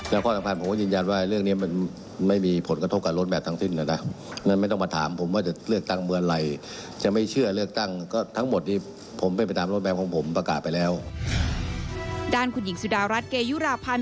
ด้านคุณหญิงสุดารัฐเกยุราพันธ์